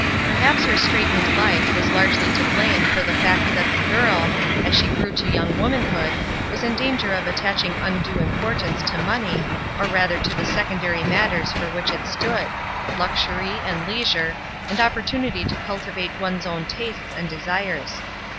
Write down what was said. Perhaps her straitened life was largely to blame for the fact that the girl, as she grew to young womanhood, was in danger of attaching imdue importance to money, or rather to the secondary matters for which it stood, — luxury, and leisure, and opportunity to culti "WHAT'S IN A NAME?'' 13 vate one's own tastes and desires.